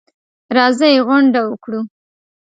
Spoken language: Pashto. راځئ غونډه وکړو.